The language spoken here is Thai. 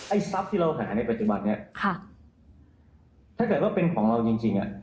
ทรัพย์ที่เราหาในปัจจุบันนี้ค่ะถ้าเกิดว่าเป็นของเราจริงจริงอ่ะ